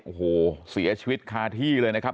โอ้โหเสียชีวิตคาที่เลยนะครับ